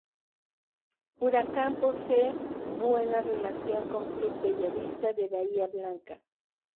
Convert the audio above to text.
Huracán posee buena relación con Club Bella Vista de Bahía Blanca.